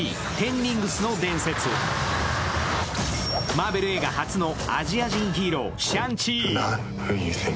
マーベル映画初のアジア人ヒーロー、シャン・チー。